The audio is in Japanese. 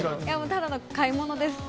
ただの買い物です。